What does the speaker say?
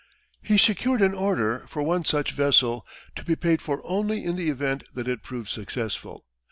He secured an order for one such vessel, to be paid for only in the event that it proved successful.